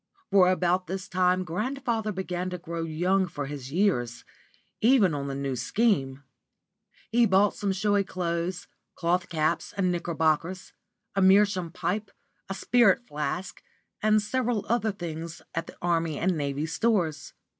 For about this time grandfather began to grow young for his years, even on the New Scheme. He bought some showy clothes, cloth caps, and knickerbockers, a meerschaum pipe, a spirit flask, and several other things at the Army and Navy Stores.